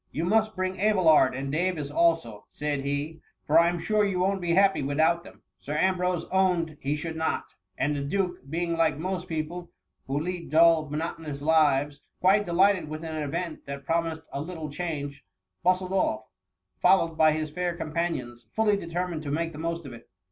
You must bring Abelard and Davis also,^ said he» '* for I 'm sure you won't be happy without them/' Sir Ambrose owned he should not ; and the duke, being like most people who lead dull, monotonous lives, quite delighted with an event that promised a little change, bustled off, fol lowed by his fair companions, fully determined to make the most of it.